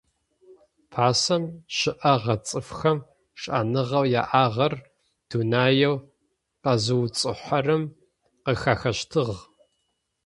Пасэм щыӏэгъэ цӏыфхэм шӏэныгъэу яӏагъэр дунаеу къэзыуцухьэрэм къыхахыщтыгъ.